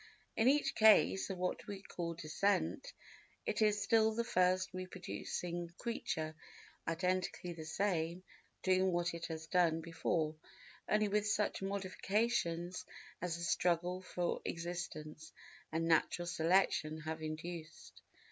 In each case of what we call descent, it is still the first reproducing creature identically the same—doing what it has done before—only with such modifications as the struggle for existence and natural selection have induced.